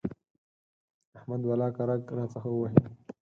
احمد ولاکه رګ راڅخه ووهي.